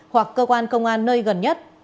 hoặc cơ quan công an nơi gần nhất